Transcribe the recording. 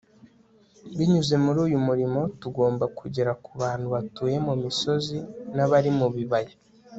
binyuze muri uyu murimo, tugomba kugera ku bantu batuye ku misozi n'abari mu bibaya